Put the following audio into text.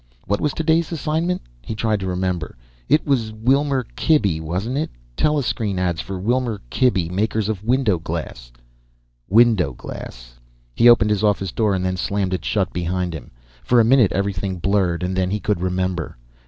What was today's assignment? He tried to remember. It was Wilmer Klibby, wasn't it? Telescreenads for Wilmer Klibby, makers of window glass. Window glass. He opened his office door and then slammed it shut behind him. For a minute everything blurred, and then he could remember.